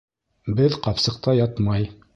Беҙ ҡапсыҡта ятмай.